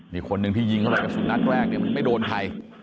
อีกคนนึงที่ยิงเข้าไปกระสุนนัดแรกเนี่ยมันไม่โดนใคร